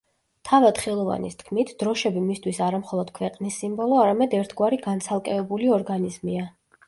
თავად ხელოვანის თქმით, დროშები მისთვის არა მხოლოდ ქვეყნის სიმბოლო, არამედ ერთგვარი განცალკევებული ორგანიზმია.